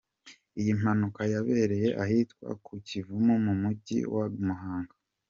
Iyi mpanuka yabereye ahitwa ku Kivumu mu Mujyi wa Muhanga.